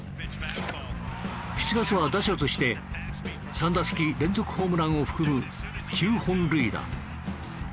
７月は打者として３打席連続ホームランを含む９本塁打。